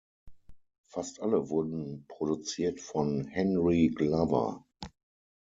Fast alle wurden produziert von Henry Glover.